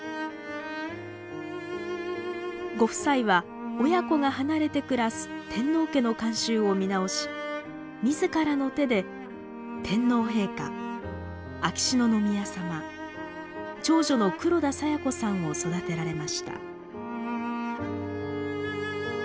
ご夫妻は親子が離れて暮らす天皇家の慣習を見直し自らの手で天皇陛下秋篠宮さま長女の黒田清子さんを育てられました。